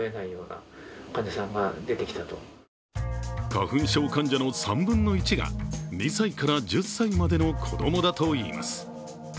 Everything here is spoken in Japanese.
花粉症患者の３分の１が２歳から１０歳までの子供だといいます。